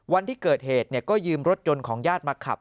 วันที่เกิดเหตุก็ยืมรถยนต์ของญาติมาขับ